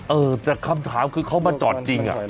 เออแต่คำถามคือเขามาจอดจริง